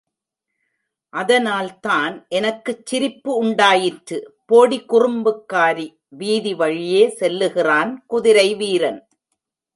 அதனால்தான், எனக்குச் சிரிப்பு உண்டாயிற்று! போடி குறும்புக்காரி! வீதி வழியே செல்லுகிறான் குதிரை வீரன்!